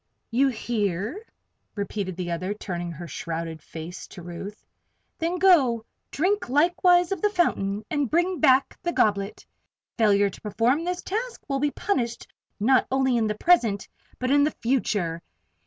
"You hear?" repeated the other, turning her shrouded face to Ruth. "Then go, drink likewise of the fountain, and bring back the goblet. Failure to perform this task will be punished not only in the present, but in the future.